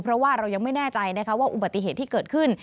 เพราะว่าเรายังไม่แน่ใจนะคะว่าอุบัติเหตุที่เกิดขึ้น